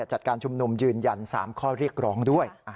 จัดการชุมนุมยืนยัน๓ข้อเรียกร้องด้วย